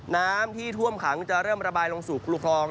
น้ำที่ท่วมขังจะเริ่มระบายลงสู่คลอง